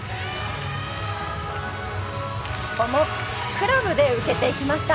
クラブで受けていきました。